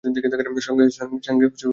সাঙ্গেয়া, কী দেখছিস?